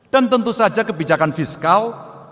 tentu saja kebijakan fiskal